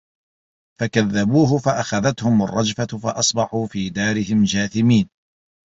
فَكَذَّبوهُ فَأَخَذَتهُمُ الرَّجفَةُ فَأَصبَحوا في دارِهِم جاثِمينَ